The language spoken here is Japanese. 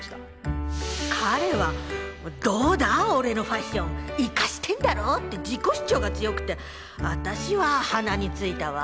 彼は「どうだ俺のファッションイカしてんだろ」って自己主張が強くて私は鼻についたわ。